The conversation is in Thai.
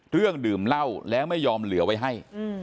เรื่องดื่มเหล้าแล้วไม่ยอมเหลือไว้ให้